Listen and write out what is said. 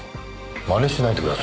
まねしないでください。